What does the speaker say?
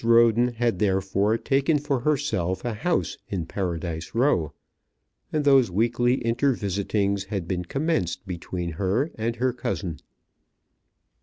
Roden had therefore taken for herself a house in Paradise Row, and those weekly inter visitings had been commenced between her and her cousin.